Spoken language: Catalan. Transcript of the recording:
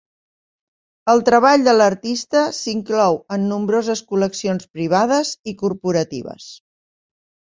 El treball de l'artista s'inclou en nombroses col·leccions privades i corporatives.